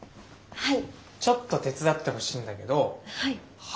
はい。